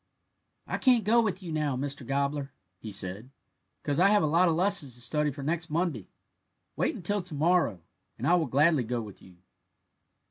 "I can't go with you now, Mr. Gobbler," he said, "because I have a lot of lessons to study for next Monday; wait until to morrow, and I will gladly go with you."